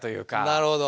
なるほど。